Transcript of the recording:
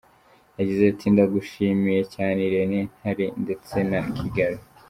Yagize ati “Ndagushimiye cyane Irene Ntale ndetse na Kigali.